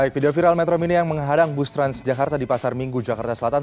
video viral metro mini yang menghadang bus transjakarta di pasar minggu jakarta selatan